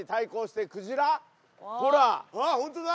あっホントだ！